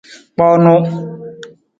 Kpoonu.